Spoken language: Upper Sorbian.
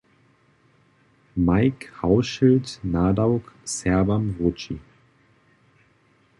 Mike Hauschild nadawk Serbam wróći.